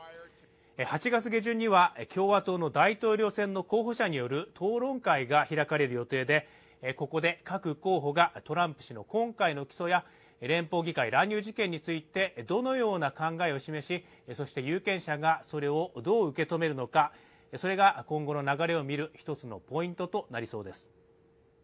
８月下旬には、共和党の大統領選の候補者による討論会が開かれる予定で、ここで各候補がトランプ氏の今回の起訴や連邦議会乱入事件についてどのような考えを示し、そして有権者がそれをどう受け止めるのか、それが今後の流れをみる一つのポイントとなりそうです。